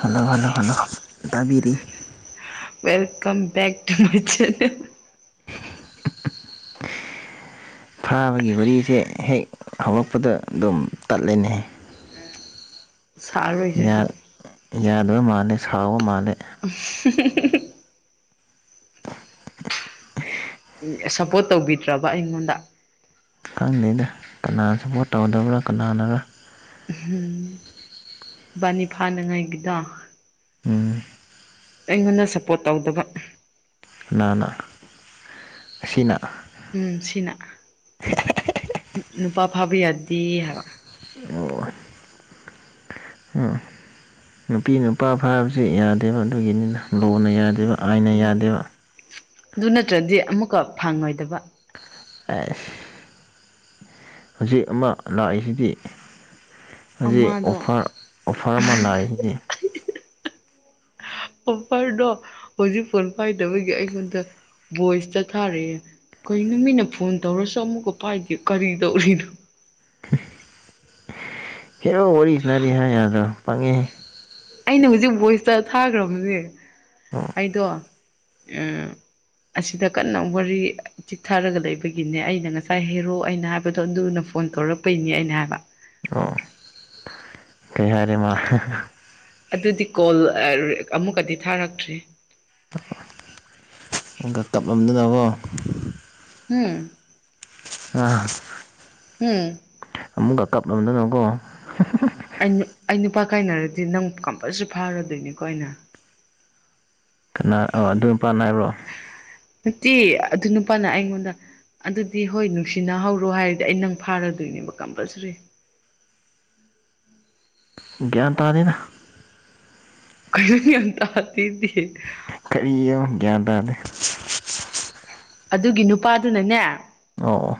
hello hello hello ꯇꯕꯤꯔꯤ welcome back to my channel ꯐꯥꯕꯒꯤ ꯋꯥꯔꯤꯁꯦ ꯍꯦꯛ ꯍꯧꯔꯛꯄꯗ ꯑꯗꯨꯝ ꯇꯠꯂꯦꯅꯦ ꯁꯥ ꯔꯣꯏꯁꯦ ꯑꯗꯨꯗꯤ ꯌꯥꯗꯕ ꯃꯥꯜꯂꯦ ꯁꯥꯎꯕ ꯃꯥꯜꯂꯦ ꯑ ꯍꯝ ꯍꯨꯝ ꯁꯞꯄꯣꯔꯠ ꯇꯧꯕꯤꯗ꯭ꯔꯕꯥ ꯑꯩꯉꯣꯟꯗ ꯈꯪꯗꯦꯗ ꯀꯅꯥ ꯁꯞꯄꯣꯔꯠ ꯇꯧꯗꯕ꯭ꯔꯥ ꯀꯅꯥꯅꯔ ꯎꯍꯨꯝ ꯏꯕꯥꯅꯤ ꯐꯥꯅꯉꯥꯏꯒꯤꯗꯣ ꯎꯝ ꯑꯩꯉꯣꯟꯗ ꯁꯞꯄꯣꯔꯠ ꯇꯧꯗꯕ ꯀꯅꯥꯅ ꯑꯁꯤꯅ ꯎꯝ ꯁꯤꯅ ꯅꯨꯄꯥ ꯐꯥꯕ ꯌꯥꯗꯦ ꯍꯥꯏꯕ ꯑꯣ ꯑꯝ ꯅꯨꯄꯤ ꯅꯨꯄꯥ ꯐꯥꯕꯁꯦ ꯌꯥꯗꯦꯕ ꯑꯗꯨꯒꯤꯅꯤꯅ ꯂꯣꯅ ꯌꯥꯗꯦꯕ ꯑꯥꯏꯟꯅ ꯌꯥꯗꯦꯕ ꯑꯗꯨ ꯅꯠꯇ꯭ꯔꯗꯤ ꯑꯃꯨꯛꯀ ꯐꯪꯉꯣꯏꯗꯕ ꯑꯩꯁ ꯍꯧꯖꯤꯛ ꯑꯃ ꯂꯥꯛꯏꯁꯤꯗꯤ ꯍꯧꯖꯤꯛ ꯑꯃꯗꯣ ꯑꯣꯐꯔ ꯑꯣꯐꯔ ꯑꯃ ꯂꯥꯛꯏ ꯁꯤꯗꯤ ꯑꯣꯐꯔꯗꯣ ꯍꯧꯖꯤꯛ ꯐꯣꯟ ꯄꯥꯏꯗꯕꯒꯤ ꯑꯩꯉꯣꯟꯗ ꯚꯣꯏꯁꯇ ꯊꯥꯔꯑꯦ ꯀꯩꯅꯣ ꯃꯤꯅ ꯐꯣꯟ ꯇꯧꯔꯁꯨ ꯑꯃꯨꯛꯀ ꯄꯥꯏꯗꯦ ꯀꯔꯤ ꯇꯧꯔꯤꯅꯣ ꯍꯦꯔꯣ ꯋꯥꯔꯤ ꯁꯥꯅꯔꯤ ꯍꯥꯏ ꯌꯥꯗ꯭ꯔꯣ ꯄꯪꯉꯦꯍꯦ ꯑꯩꯅ ꯍꯧꯖꯤꯛ ꯚꯣꯏꯁꯇ ꯊꯥꯒ꯭ꯔꯕꯅꯦ ꯑꯣ ꯑꯩꯗꯣ ꯑꯁꯤꯗ ꯀꯟꯅ ꯋꯥꯔꯤ ꯆꯤꯛꯊꯔꯒ ꯂꯩꯕꯒꯤꯅꯦ ꯑꯩꯅ ꯉꯁꯥꯏ ꯍꯦꯔꯣ ꯑꯩꯅ ꯍꯥꯏꯕꯗꯣ ꯑꯗꯨꯅ ꯐꯣꯟ ꯇꯧꯔꯛꯄꯩꯅꯤ ꯑꯩꯅ ꯍꯥꯏꯕ ꯑꯣ ꯀꯩ ꯍꯥꯏꯔꯦ ꯃꯥ ꯑꯗꯨꯗꯤ ꯀꯣꯜ ꯑ ꯑꯃꯨꯛꯀꯗꯤ ꯊꯥꯔꯛꯇ꯭ꯔꯤ ꯑꯃꯨꯛꯀ ꯇꯞꯂꯝꯗꯅꯀꯣ ꯍꯝ ꯑꯥ ꯎꯝ ꯑꯃꯨꯛꯀ ꯀꯥꯞꯂꯝꯗꯅꯀꯣ ꯑꯩ ꯅꯨꯄꯥ ꯀꯥꯏꯅꯔꯗꯤ ꯅꯪ ꯀꯝꯄꯜꯁꯔꯤ ꯐꯥꯔꯗꯣꯏꯅꯤꯀꯣ ꯑꯩꯅ ꯀꯅꯥ ꯑꯗꯨ ꯅꯨꯄꯥꯅ ꯍꯥꯏꯕ꯭ꯔꯣ ꯅꯠꯇꯦ ꯑꯗꯨ ꯅꯨꯄꯥꯅ ꯑꯩꯉꯣꯟꯗ ꯑꯗꯨꯗꯤ ꯍꯣꯏ ꯅꯨꯡꯁꯤꯅꯍꯧꯔꯣ ꯍꯥꯏꯔꯗꯤ ꯑꯩ ꯅꯪ ꯐꯥꯔꯗꯣꯏꯅꯦꯕ ꯀꯝꯄꯜꯁꯔꯤ [inaudible] ꯒ꯭ꯌꯥꯟ ꯇꯥꯗꯦꯗ ꯀꯔꯤꯅꯣ ꯒꯤꯌꯥꯟ ꯇꯥꯗꯦꯗꯤ ꯀꯔꯤ ꯅꯣ ꯒ꯭ꯌꯥꯟ ꯇꯥꯗꯦ ꯑꯗꯨꯒꯤ ꯅꯨꯄꯥꯗꯨꯅꯅꯦ ꯑꯣ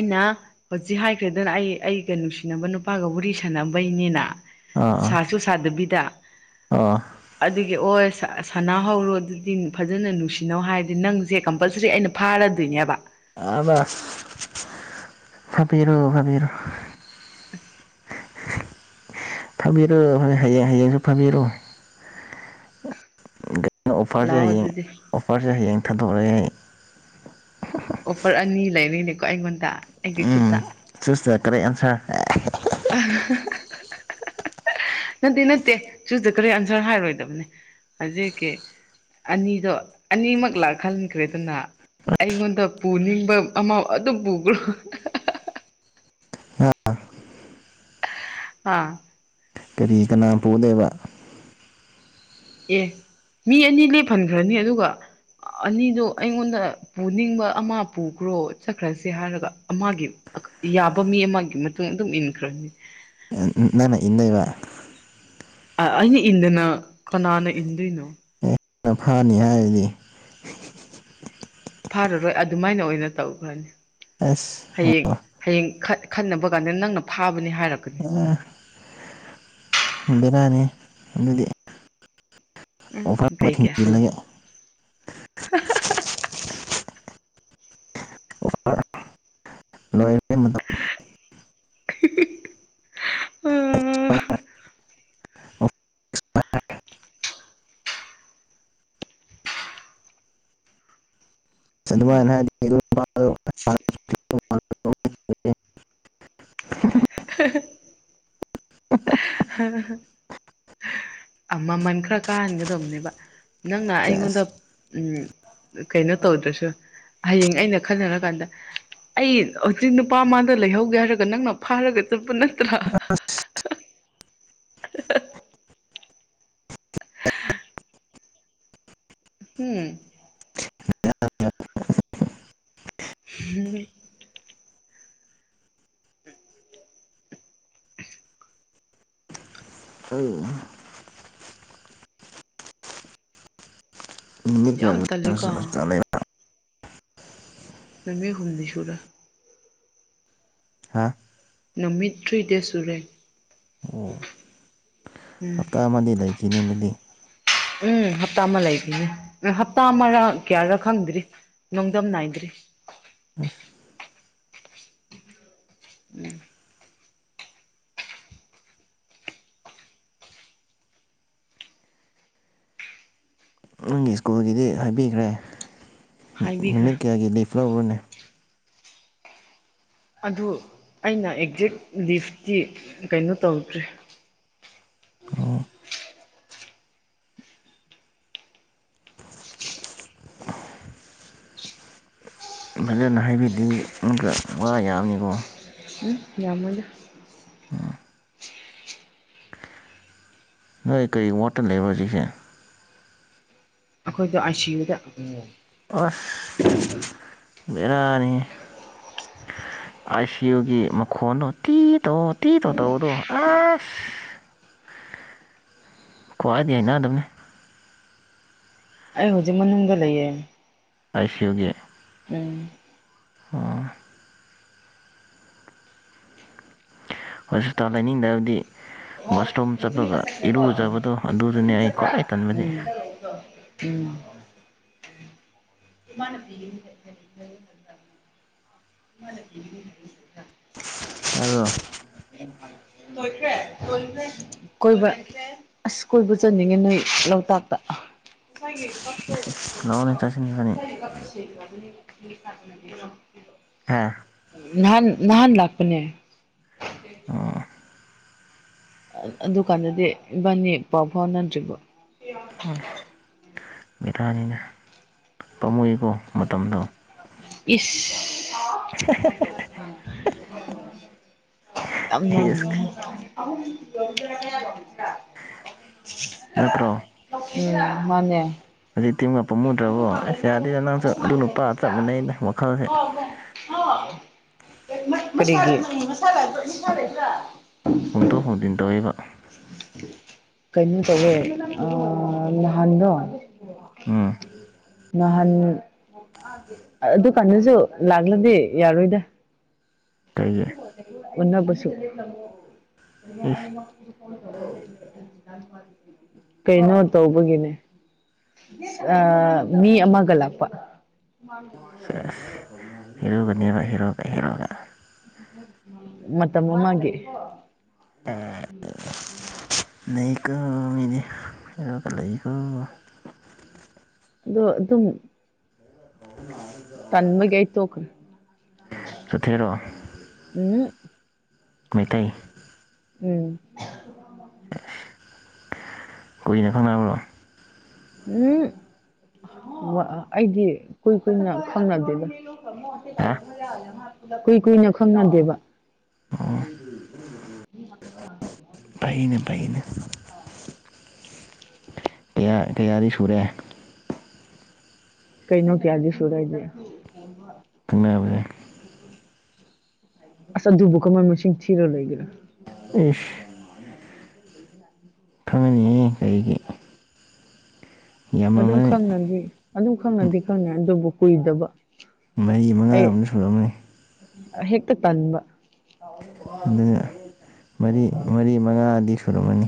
ꯑꯩꯅ ꯍꯧꯖꯤꯛ ꯍꯥꯏꯈ꯭ꯔꯦꯗꯅ ꯑꯩ ꯑꯩꯒ ꯅꯨꯡꯁꯤꯅꯕ ꯅꯨꯄꯥꯒ ꯋꯥꯔꯤꯔꯤ ꯁꯥꯟꯅꯕꯩꯅꯦꯅ ꯑꯥ ꯁꯥꯁꯨ ꯁꯥꯗꯕꯤꯗ ꯑꯥ ꯑꯗꯨ ꯑꯦ ꯑꯣ ꯁꯅꯥ ꯍꯧꯔꯣ ꯑꯗꯨꯗꯤ ꯐꯖꯅ ꯅꯨꯡꯁꯤꯅꯧ ꯍꯥꯏꯔꯗꯤ ꯅꯪꯁꯦ ꯀꯝꯄꯜꯁꯔꯤ ꯑꯩꯅ ꯐꯥꯔꯗꯣꯏ ꯅꯤ ꯍꯥꯏꯕ ꯑꯥꯕ ꯐꯥꯕꯤꯔꯣ ꯐꯥꯕꯤꯔꯣ ꯐꯕꯤꯔꯣ ꯐꯕꯤꯔꯣ ꯍꯌꯦꯡ ꯍꯌꯦꯡ ꯍꯦꯛ ꯐꯥꯕꯤꯔꯣ ꯑꯩꯅ ꯑꯣꯐꯔꯁꯦ ꯂꯥꯛꯑꯣ ꯍꯌꯦꯡ ꯑꯗꯨꯗꯤ ꯑꯣꯐꯔꯁꯦ ꯍꯌꯦꯡ ꯊꯥꯗꯣꯛ ꯑꯦ ꯑꯣꯐꯔ ꯑꯅꯤ ꯂꯩꯔꯤꯅꯦꯀꯣ ꯑꯩꯉꯣꯟꯗ ꯑꯩꯒꯤ ꯎꯝ ꯈꯨꯠꯇ ꯆꯨꯁꯇ ꯀꯔꯦꯛ ꯑꯟꯁꯔ [inaudible] ꯅꯠꯇꯦ ꯅꯠꯇꯦ ꯆꯨꯁꯗ ꯀꯔꯦꯛ ꯑꯟꯁꯔ ꯍꯥꯏꯔꯣꯏꯗꯕꯅꯦ ꯍꯧꯖꯤꯛꯀꯤ ꯑꯅꯤꯗꯣ ꯑꯅꯤꯃꯛ ꯂꯥꯛ ꯍꯟꯈ꯭ꯔꯦꯗꯅ ꯑꯩꯉꯣꯟꯗ ꯄꯨꯅꯤꯡꯕ ꯑꯃ ꯑꯗꯨꯝ ꯄꯨꯈ꯭ꯔꯣ ꯑꯥ ꯑꯥ ꯀꯔꯤ ꯀꯅꯥ ꯄꯨꯅꯤꯕ ꯑꯦ ꯃꯤ ꯑꯅꯤ ꯂꯦꯞꯍꯟꯈ꯭ꯔꯅꯤ ꯑꯗꯨꯒ ꯑꯅꯤꯗꯣ ꯑꯩꯉꯣꯟꯗ ꯄꯨꯅꯤꯡꯕ ꯑꯃ ꯄꯨꯈ꯭ꯔꯣ ꯆꯠꯈ꯭ꯔꯁꯤ ꯍꯥꯏꯔꯒ ꯑꯃꯒꯤ ꯌꯥꯕ ꯃꯤ ꯑꯃꯒꯤ ꯃꯇꯨꯡ ꯑꯗꯨꯝ ꯏꯟꯈ꯭ꯔꯅꯤ ꯩ ꯅ ꯅꯪꯅ ꯏꯟꯗꯣꯏꯕ ꯑꯩꯅ ꯏꯟꯗꯅ ꯀꯅꯥꯅ ꯏꯟꯗꯣꯏꯅꯣ ꯑꯦ ꯅꯪꯅ ꯐꯅꯤ ꯍꯥꯏꯗꯨꯗꯤ ꯐꯥꯔꯔꯣꯏ ꯑꯗꯨꯃꯥꯏꯅ ꯑꯣꯏꯅ ꯇꯧꯈ꯭ꯔꯅꯤ ꯍꯌꯦꯡ ꯑꯁ ꯍꯌꯦꯡ ꯈꯠ ꯈꯟꯅꯕ ꯀꯥꯟꯗ ꯅꯪꯅ ꯐꯥꯕꯅꯤ ꯍꯥꯏꯔꯛꯀꯅꯤ ꯕꯦꯔꯅꯤ ꯑꯗꯨꯗꯤ ꯑꯣꯐꯥꯔ ꯑꯃ ꯀꯩꯒꯤ ꯊꯤꯡꯖꯤꯜꯂꯒꯦ ꯑꯣꯐꯔ ꯂꯣꯏꯈꯔꯦ ꯃꯇꯝ ꯑ ꯍ ꯑꯣꯐꯤꯁ [unintelligible] ꯍꯍꯦ ꯑꯥ ꯃꯃꯜ ꯈꯔ ꯀꯥꯟꯍꯟꯒꯗꯧꯕꯅꯦꯕ ꯅꯪꯅ ꯁꯦꯁ ꯑꯩꯉꯣꯟꯗ ꯎ ꯀꯩꯅꯣ ꯇꯧꯗ꯭ꯔꯁꯨ ꯍꯌꯦꯡ ꯑꯩꯅ ꯈꯟꯅꯔꯀꯥꯟꯗ ꯑꯩ ꯍꯧꯖꯤꯛ ꯅꯨꯄꯥ ꯑꯃꯗ ꯂꯩꯍꯧꯒꯦ ꯍꯥꯏꯔꯒ ꯅꯪꯅ ꯐꯥꯔꯒ ꯆꯠꯄ ꯅꯠꯇ ꯭ꯔꯥ ꯍꯝ [inaudible] ꯀꯔꯤ ꯅꯨꯃꯤꯠ ꯌꯥꯝ ꯀꯌꯥ ꯇꯜꯂꯦꯀꯣ [unintelligible] ꯅꯨꯃꯤꯠ ꯍꯨꯝꯅꯤ ꯁꯨꯔꯦ ꯍꯥꯥ ꯅꯨꯃꯤꯠ ꯊ꯭ꯔꯤꯗꯦꯁ ꯁꯨꯔꯦ ꯑꯣ ꯎꯝ ꯍꯞꯇꯥ ꯑꯃꯗꯤ ꯂꯩꯈꯤꯅꯤꯅꯗꯤ ꯎꯝ ꯍꯞꯇꯥ ꯑꯃ ꯂꯩꯈꯤꯅꯤ ꯍꯞꯇꯥ ꯑꯃꯔ ꯀꯌꯥꯔꯥ ꯈꯪꯗ꯭ꯔꯤ ꯅꯣꯡꯗꯝ ꯅꯥꯏꯗ꯭ꯔꯤ [inaudible] ꯅꯪꯒꯤ ꯁ꯭ꯀꯨꯜꯒꯤꯗꯤ ꯍꯥꯏꯕꯤꯈ꯭ꯔꯦ ꯍꯥꯏꯕꯤꯈ꯭ꯔꯦ ꯅꯨꯃꯤꯠ ꯀꯌꯥꯒꯤ ꯂꯤꯐ ꯂꯧꯔꯅꯤ ꯑꯗꯨ ꯑꯩꯅ ꯑꯦꯛꯖꯦꯛ ꯂꯤꯐꯇꯤ ꯀꯩꯅꯣ ꯇꯧꯗ꯭ꯔꯤ ꯐꯖꯅ ꯍꯥꯏꯕꯤꯗꯤ ꯑꯃꯨꯛꯒ ꯋꯥ ꯌꯥꯝꯅꯤꯀꯣ ꯎꯝ ꯌꯥꯝꯃꯣꯏꯗ ꯅꯣꯏ ꯀꯔꯤ ꯋꯥꯠꯇ ꯂꯩꯕ꯭ꯔꯣ ꯍꯧꯖꯤꯛꯁꯦ ꯑꯈꯣꯏꯗꯣ ꯑꯥꯏ ꯁꯤ ꯌꯨꯗ ꯑꯁ ꯕꯦꯔꯥꯅꯤꯍꯦ ꯑꯥꯏ ꯁꯤ ꯌꯨꯒꯤ ꯃꯈꯣꯟꯗꯣ ꯇꯤ ꯇꯣ ꯇꯤ ꯇꯣ ꯇꯧꯕꯗꯣ ꯑꯁ ꯈ꯭ꯋꯥꯏꯗꯩ ꯍꯩꯅꯗꯕꯅꯤ ꯑꯩ ꯍꯧꯖꯤꯛ ꯃꯅꯨꯡꯗ ꯂꯩꯌꯦ ꯑꯥꯏ ꯁꯤ ꯌꯨꯒꯤ ꯎꯝ ꯑꯣ ꯍꯣꯁꯄꯤꯇꯥꯜ ꯂꯩꯅꯤꯡꯗꯕꯗꯤ ꯋꯥꯁꯔꯨꯝ ꯆꯠꯄꯒ ꯏꯔꯨꯖꯕꯗꯣ ꯑꯗꯨꯗꯨꯅꯦ ꯑꯩ ꯈ꯭ꯋꯥꯏ ꯇꯟꯕꯗꯤ ꯎꯝ ꯃꯥꯅ ꯄꯤ [unintelligible] [unintelligible] ꯇꯥꯕ꯭ꯔꯣ ꯂꯣꯏꯈ꯭ꯔꯦ ꯂꯣꯏꯈ꯭ꯔꯦ ꯀꯣꯏꯕ ꯑꯁ ꯀꯣꯏꯕ ꯆꯟꯅꯤꯡꯉꯦ ꯅꯣꯏ ꯂꯣꯛꯇꯥꯛꯇ ꯂꯥꯛꯑꯣꯅꯦ ꯆꯠꯁꯤ ꯏꯕꯥꯅꯤ ꯍꯥ ꯅꯍꯥꯟ ꯅꯍꯥꯟ ꯂꯥꯛꯄꯅꯦ ꯑꯣ ꯑꯗꯨꯀꯥꯟꯗꯗꯤ ꯏꯕꯥꯅꯤ ꯄꯥꯎ ꯐꯥꯎ ꯅꯗ꯭ꯔꯤꯕꯣ ꯕꯦꯔꯅꯤꯅꯦ ꯄꯥꯃꯨꯏꯀꯣ ꯃꯇꯝꯗꯣ ꯏꯁ ꯍꯦ ꯍꯦ ꯍꯦ ꯍꯦ ꯌꯥꯝ ꯅꯪꯒꯤ [unintelligible] ꯅꯠꯇ꯭ꯔꯣ ꯎꯝ ꯃꯥꯟꯅꯦ [unintelligible] ꯀꯔꯤꯒꯤ ꯍꯧꯖꯤꯛꯇꯤ ꯑꯃꯨꯛꯀ ꯄꯥꯝꯃꯨꯗ꯭ꯔꯕꯣ ꯑꯁ ꯌꯥꯗꯦꯗ ꯅꯪꯁꯨ ꯑꯗꯨ ꯅꯨꯄꯥ ꯆꯞ ꯃꯥꯟꯅꯩꯗ ꯋꯥꯈꯜꯁꯦ ꯃꯁꯥ ꯂꯩꯕ꯭ꯔꯥ ꯃꯁꯥ ꯂꯩꯕ꯭ꯔꯥ ꯍꯣꯡꯇꯣꯛ ꯍꯣꯡꯖꯤꯟ ꯇꯧꯋꯦꯕ ꯀꯩꯅꯣ ꯇꯧꯋꯦ ꯑꯥ ꯅꯍꯥꯟꯗꯣ ꯑꯝ ꯅꯍꯥꯟ ꯑꯗꯨꯀꯥꯟꯗꯁꯨ ꯂꯥꯛꯂꯗꯤ ꯌꯥꯔꯣꯏꯗ ꯀꯩꯒꯤ ꯎꯟꯅꯕꯁꯨ ꯏꯁ ꯀꯩꯅꯣ ꯇꯧꯕꯒꯤꯅꯦ ꯑꯥ ꯃꯤ ꯑꯃꯒ ꯂꯥꯛꯄ ꯍꯦꯔꯣꯅꯦꯕ ꯍꯦꯔꯣꯒ ꯍꯦꯔꯣꯒ ꯃꯇꯝ ꯑꯃꯒꯤ ꯂꯩꯀꯣ ꯃꯤꯗꯤ ꯍꯦꯔꯣꯒ ꯂꯩꯀꯣ ꯑꯗꯣ ꯑꯗꯨꯝ ꯇꯟꯕꯒꯤ ꯑꯩ ꯇꯣꯛꯈ꯭ꯔꯦ ꯆꯣꯊꯦꯔꯣ ꯎ ꯎꯝ ꯃꯩꯇꯩ ꯎꯝ ꯀꯨꯏꯅ ꯈꯪꯅꯕ꯭ꯔꯣ ꯎꯝꯝ ꯑꯩꯗꯤ ꯀꯨꯏ ꯀꯨꯏꯅ ꯈꯪꯅꯗꯦꯗ ꯍꯥ ꯀꯨꯏ ꯀꯨꯏꯅ ꯈꯪꯅꯗꯦꯕ ꯑꯝ [inaudible] ꯌꯥ ꯀꯌꯥꯗꯤ ꯁꯨꯔꯦ ꯀꯩꯅꯣ ꯀꯌꯥꯗꯤ ꯁꯨꯔꯦꯗꯤ ꯈꯪꯅꯕꯖꯦ ꯑꯁ ꯑꯗꯨꯕꯨ ꯀꯃꯥꯏ ꯃꯁꯤꯡ ꯊꯤꯔ ꯂꯩꯒꯦꯔꯥ ꯏꯁ ꯈꯪꯉꯅꯤꯍꯦ ꯀꯔꯤꯒꯤ ꯑꯗꯨꯝ ꯌꯥꯝꯃꯝꯃꯅꯤ ꯈꯪꯅꯗꯤ ꯑꯗꯨꯝ ꯈꯪꯅꯗꯤ ꯈꯪꯅꯩ ꯑꯗꯨꯕꯨ ꯀꯨꯏꯗꯕ ꯑꯩ ꯀꯥꯌꯃꯨꯛ ꯁꯨꯔꯝꯃꯅꯤ ꯍꯦꯛꯇ ꯇꯟꯕ ꯑꯗꯨꯅ ꯃꯔꯤ ꯃꯔꯤ ꯃꯉꯥꯗꯤ ꯁꯨꯔꯝꯃꯅꯤ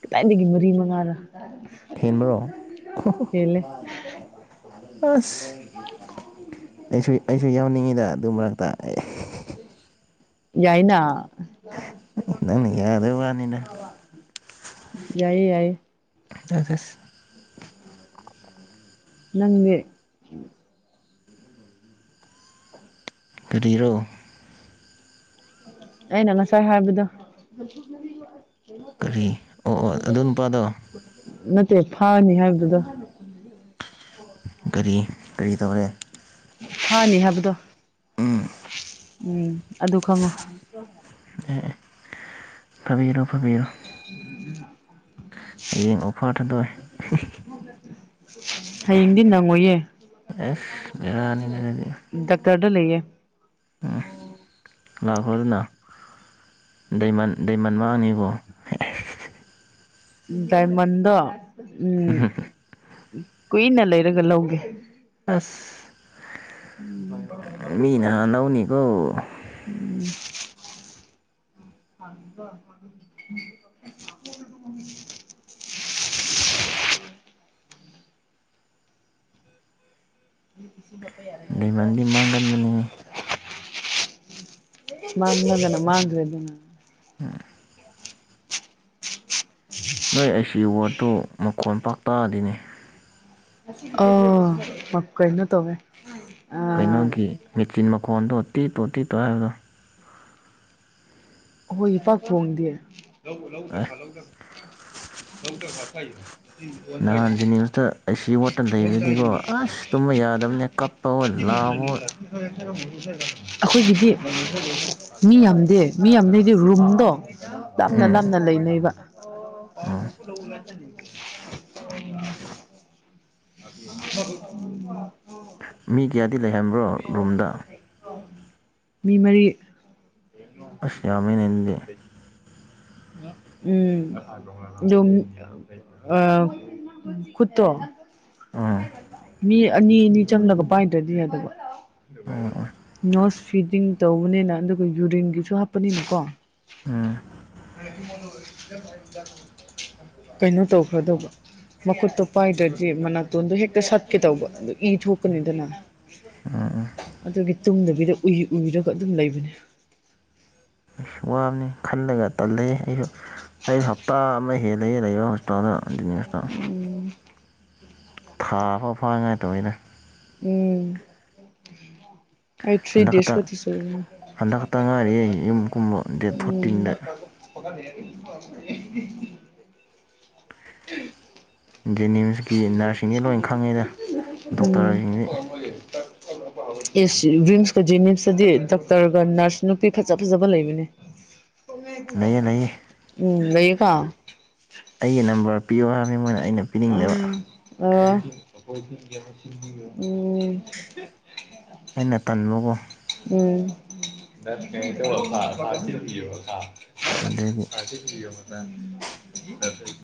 ꯀꯗꯥꯏꯗꯒꯤ ꯃꯔꯤ ꯃꯉꯥꯅꯣ ꯍꯦꯟꯕ꯭ꯔꯣ ꯍꯦꯜꯂꯦ ꯑꯁ ꯑꯩꯁꯨ ꯑꯩꯁꯨ ꯌꯥꯎꯅꯤꯡꯉꯤꯗꯥ ꯑꯗꯨ ꯃꯔꯛꯇ ꯑꯦ ꯌꯥꯏꯅ ꯅꯪꯅ ꯌꯥꯗꯕꯩ ꯋꯥꯅꯤꯅ ꯌꯥꯏꯌꯦ ꯌꯥꯏꯌꯦ ꯑꯁ ꯑꯁ ꯅꯪꯗꯤ ꯀꯔꯤꯔꯣ ꯑꯩꯅ ꯉꯁꯥꯏ ꯍꯥꯏꯕꯗꯣ ꯀꯔꯤ ꯑꯣ ꯑꯣ ꯑꯗꯨ ꯅꯨꯄꯥꯗꯣ ꯅꯠꯇꯦ ꯐꯥꯅꯤ ꯍꯥꯏ ꯑꯗꯨꯗꯣ ꯀꯔꯤ ꯀꯔꯤ ꯇꯧꯔꯦ ꯐꯥꯅꯤ ꯍꯥꯏꯕꯗꯣ ꯎꯝ ꯎꯝ ꯑꯗꯨ ꯈꯪꯉꯨ ꯑꯦ ꯑꯦ ꯐꯥꯕꯤꯔꯣ ꯐꯥꯕꯤꯔꯣ ꯍꯌꯦꯡ ꯑꯣꯐꯔ ꯊꯥꯗꯣꯛꯑꯦ ꯍꯌꯦꯡꯗꯤ ꯅꯪꯉꯣꯏꯌꯦ ꯑꯁ ꯕꯦꯔꯥꯅꯤꯅꯦ ꯑꯗꯨꯗꯤ ꯗꯥꯛꯇꯔ ꯈꯧꯟꯗ ꯂꯩꯌꯦ ꯂꯥꯛꯈ꯭ꯔꯣꯗꯅꯥ ꯗꯥꯏꯃꯟ ꯗꯥꯏꯃꯟ ꯃꯥꯡꯅꯤꯀꯣ ꯑꯦꯁ ꯗꯥꯏꯃꯟꯗꯣ ꯎꯝ ꯀꯨꯏꯅ ꯂꯩꯔꯒ ꯂꯧꯒꯦ ꯑꯁ ꯎꯝ ꯃꯤꯅ ꯍꯥꯟꯍꯧꯅ ꯂꯧꯅꯤꯀꯣ [inaudible] [unintelligible] [inaudible] ꯂꯩꯃꯟꯗꯤ ꯃꯥꯡꯒꯟꯕꯅꯦ [inaudible] ꯃꯥꯥꯡꯑꯒꯅ ꯃꯥꯥꯡꯒ꯭ꯔꯦꯗꯅꯥ [inaudible] ꯅꯣꯏ ꯑꯩ ꯋꯥꯔꯠꯇꯨ ꯃꯈꯣꯟ ꯄꯥꯛꯇꯗꯦꯅꯦ ꯑꯥ ꯃ ꯀꯩꯅꯣ ꯇꯧꯋꯦ ꯀꯩꯅꯣꯒꯤ ꯑꯩꯈꯣꯏꯒꯤ ꯃꯦꯆꯤꯟ ꯃꯈꯣꯟꯗꯣ ꯇꯤꯇꯣ ꯇꯤꯇꯣ ꯍꯥꯏꯕꯗꯣ ꯍꯣꯏ ꯄꯥꯛ ꯐꯣꯡꯗꯦ [inaudible] ꯑꯦ ꯅꯍꯥꯟ ꯖꯦꯅꯤꯝꯁꯇ ꯑꯥꯏ ꯁꯤ ꯋꯥꯔꯗꯇ ꯂꯩꯕꯗꯗꯤꯀꯣ ꯑꯁ ꯇꯨꯝꯕ ꯌꯥꯗꯕꯅꯦ ꯀꯞꯄ ꯍꯣꯏ ꯂꯥꯎꯕ ꯍꯣꯏ [inaudible] ꯑꯈꯣꯏꯒꯤꯗꯤ ꯃꯤ ꯌꯥꯝꯗꯦ ꯃꯤ ꯌꯥꯝꯗꯦꯗꯤ ꯔꯨꯝꯗꯣ ꯂꯥꯞꯅ ꯎꯝ ꯂꯥꯞꯅ ꯂꯩꯅꯩꯕ [inaudible] ꯑꯣ [inaudible] ꯃꯤ ꯀꯌꯥꯗꯤ ꯂꯩꯍꯟꯕ꯭ꯔꯣ ꯔꯨꯝꯗ ꯃꯤ ꯃꯔꯤ ꯑꯁ ꯌꯥꯝꯃꯦꯅꯦ ꯑꯗꯨꯗꯤ ꯎꯝ ꯗꯨꯝ ꯑꯥ ꯇꯨꯠꯇꯣ ꯎꯝ ꯃꯤ ꯑꯅꯤ ꯑꯅꯤ ꯆꯪꯂꯒ ꯄꯥꯏꯗ꯭ꯔꯗꯤ ꯌꯥꯗꯕ ꯎꯝ ꯎꯝ ꯅꯣꯁ ꯐꯤꯗꯤꯡ ꯇꯧꯕꯅꯤꯅ ꯑꯗꯨꯒ ꯌꯨꯔꯤꯟꯒꯤꯁꯨ ꯍꯥꯞꯄꯅꯤꯅꯀꯣ ꯎꯝ ꯀꯩꯅꯣ ꯇꯧꯈ꯭ꯔꯗꯧꯕ ꯃꯈꯨꯠ ꯇꯣ ꯄꯥꯏꯗꯔꯗꯤ ꯃꯅꯥꯇꯣꯟꯗꯣ ꯍꯦꯛꯇ ꯁꯠꯀꯦ ꯇꯧꯕꯧ ꯑꯗꯨ ꯏ ꯊꯣꯀꯅꯤꯗꯅ ꯑꯗꯨꯒꯤ ꯇꯨꯝꯗꯕꯤꯗ ꯎꯏ ꯎꯏꯔꯒ ꯑꯗꯨꯝ ꯂꯩꯕꯅꯦ ꯋꯥ ꯈꯜꯂꯒ ꯇꯜꯂꯦ ꯑꯩꯁꯨ ꯑꯩꯁꯨ ꯍꯞꯇꯥ ꯑꯃ ꯍꯦꯜꯂꯦ ꯂꯩꯕ ꯍꯣꯁꯄꯤꯇꯥꯜꯗ ꯖꯦꯅꯤꯝꯁꯇ ꯎꯝ ꯊꯥ ꯑꯃ ꯐꯥꯅꯉꯥꯏ ꯇꯧꯋꯤꯗ ꯎꯝ ꯑꯩ ꯊ꯭ꯔꯤ ꯍꯟꯗꯛ ꯗꯦꯁ ꯈꯛꯇ ꯀꯇꯁꯨ ꯍꯟꯗꯛ ꯈꯛꯇ ꯉꯥꯏꯔꯤ ꯑꯩ ꯌꯨꯝ ꯀꯨꯝꯕ ꯗꯦꯠ ꯎꯝ [inaudible] ꯐꯣꯔꯇꯤꯟꯗ ꯖꯦꯅꯤꯝꯁꯀꯤ ꯅꯔꯁꯁꯤꯡꯗꯤ ꯂꯣꯏ ꯈꯪꯉꯦꯗ ꯎꯝ ꯗꯣꯛꯇꯔꯁꯤꯡꯗꯤ ꯏꯁ ꯔꯤꯝꯁꯀ ꯖꯦꯅꯤꯝꯁꯇꯗꯤ ꯗꯣꯛꯇꯔꯒ ꯅꯔꯁ ꯅꯨꯄꯤ ꯐꯖ ꯐꯖꯕ ꯂꯩꯕꯅꯦ ꯂꯩꯌꯦ ꯂꯩꯌꯦ ꯎꯝ ꯂꯩꯌꯦꯀꯣ ꯑꯩꯒꯤ ꯅꯝꯕꯔ ꯄꯤꯌꯣ ꯍꯥꯏꯕꯅꯤ ꯃꯣꯏꯅ ꯑꯩꯅ ꯄꯤꯅꯤꯡꯗꯕ ꯎꯝ ꯑꯥ ꯎꯝ ꯑꯩꯅ ꯇꯟꯕꯀꯣ [inaudible] ꯑꯗꯨꯒꯤ [inaudible]